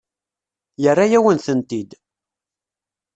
Yerra-yawen-tent-id.